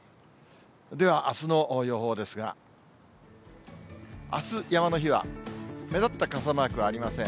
では、あすの予報ですが、あす山の日は、目立った傘マークはありません。